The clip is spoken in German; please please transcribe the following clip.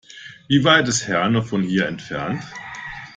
Wie weit ist Herne von hier entfernt?